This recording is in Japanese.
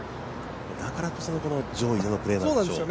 だからこその上位でのプレーなんでしょう。